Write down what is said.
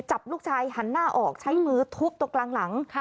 จับลูกชายหันหน้าออกใช้มือทุบตรงกลางหลัง